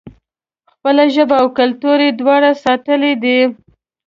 خپله ژبه او کلتور یې دواړه ساتلي دي.